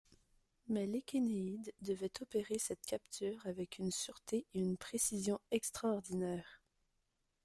Mais l'échénéïde devait opérer cette capture avec une sûreté et une précision extraordinaire.